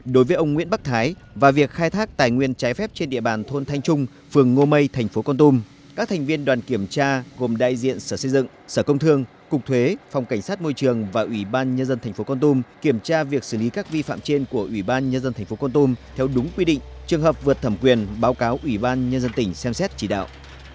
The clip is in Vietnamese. đối với ông nguyễn bắc thái và việc khai thác tài nguyên trái phép trên địa bàn thôn thanh trung phường ngô mây thành phố con tum các thành viên đoàn kiểm tra gồm đại diện sở xây dựng sở công thương cục thuế phòng cảnh sát môi trường và ủy ban nhân dân thành phố con tum kiểm tra việc xử lý các vi phạm trên của ủy ban nhân dân thành phố con tum theo đúng quy định trường hợp vượt thẩm quyền báo cáo ủy ban nhân dân tỉnh xem xét chỉ đạo